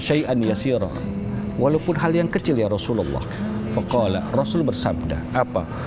syai'an yasyirah walaupun hal yang kecil ya rasulullah fakola rasul bersabda apa